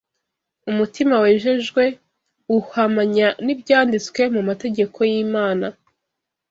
Umutima wejejwe uhamanya n’ibyanditswe mu mategeko y’Imana